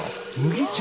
麦茶？